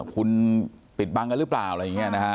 คุณปิดบังกันหรือเปล่าอะไรอย่างนี้นะฮะ